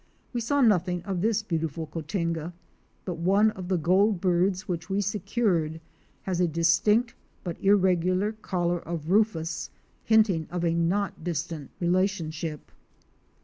We saw nothing of this beautiful Cotinga, but one of the Goldbirds which we secured had a distinct but irregular collar of rufous, hinting of a not distant relationship.